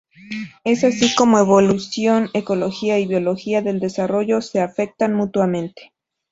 Es así como evolución, ecología y biología del desarrollo se afectan mutuamente.